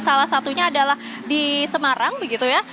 salah satunya adalah di semarang begitu ya